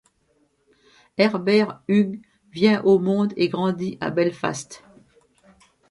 Herbert Hughes vient au monde et grandit à Belfast.